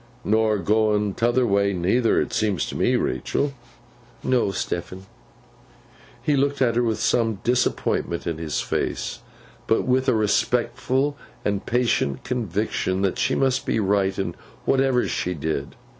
'Nor going t'other way, neither, 't seems to me, Rachael?' 'No, Stephen.' He looked at her with some disappointment in his face, but with a respectful and patient conviction that she must be right in whatever she did.